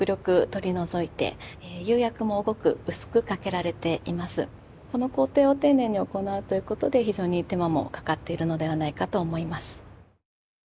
それによればこの工程を丁寧に行うということで非常に手間もかかっているのではないかと思います。